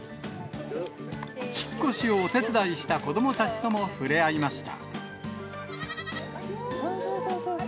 引っ越しをお手伝いした子どもたちとも触れ合いました。